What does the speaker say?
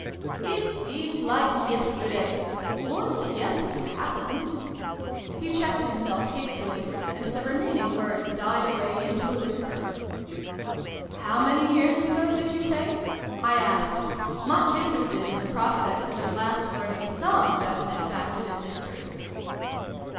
"It seems like yesterday ; and 1 88 SYLVIE AND BRUNO CONCLUDED. yet it happened He checked himself hastily, and the remaining words died away into a whisper. "How many years ago did you say?" I asked, much interested in the prospect of at last learning some definite fact in his history.